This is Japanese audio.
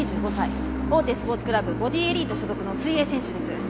大手スポーツクラブボディエリート所属の水泳選手です。